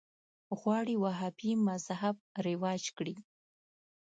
غواړي وهابي مذهب رواج کړي